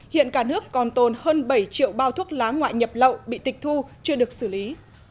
hiện cả nước còn tồn hơn bảy triệu bao thuốc lá ngoại nhập lậu bị tịch thu chưa được xử lý